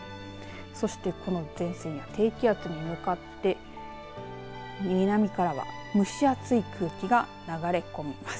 そしてこの前線や低気圧に向かって南からは蒸し暑い空気が流れ込みます。